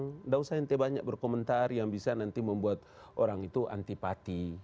tidak usah nanti banyak berkomentar yang bisa nanti membuat orang itu antipati